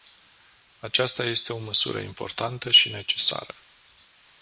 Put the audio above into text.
Aceasta este o măsură importantă și necesară.